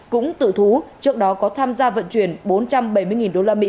cũng tự thú trước đó có tham gia vận chuyển bốn trăm bảy mươi usd